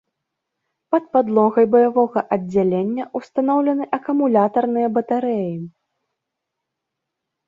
Пад падлогай баявога аддзялення ўстаноўлены акумулятарныя батарэі.